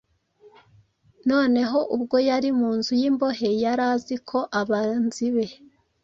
Noneho ubwo yari mu nzu y’imbohe, yari azi ko abanzi be,